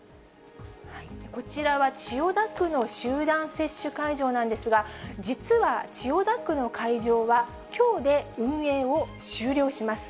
こちらは千代田区の集団接種会場なんですが、実は千代田区の会場は、きょうで運営を終了します。